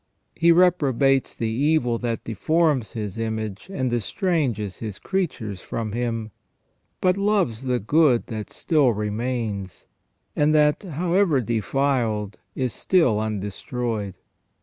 He reprobates the evil that deforms His image, and estranges His creatures from Him, but loves the good that still remains, and that, however defiled, is still undestroyed.